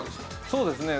そうですね。